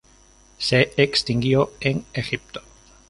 Se extinguió en Egipto.